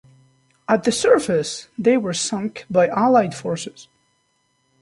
At the surface, they were sunk by Allied Forces.